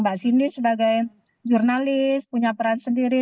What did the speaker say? mbak cindy sebagai jurnalis punya peran sendiri